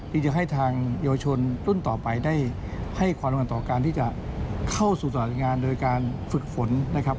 ที่จะเข้าสู่ตรวจงานโดยการฝึกฝนนะครับ